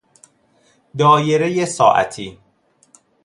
دایره ساعتی